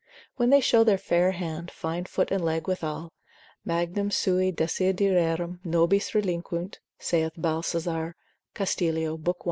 When they show their fair hand, fine foot and leg withal, magnum sui desiderium nobis relinquunt, saith Balthazar Castilio, lib. 1.